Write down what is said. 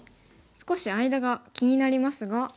少し間が気になりますが。